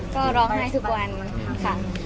ก็ร้องไห้ทุกวันค่ะ